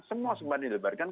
semua sempadan dilebarkan